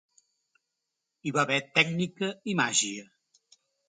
Hi va haver tècnica i màgia.